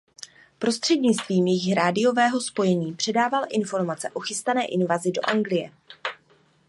Prostřednictvím jejich radiového spojení předával informace o chystané invazi do Anglie.